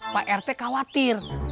pak rt khawatir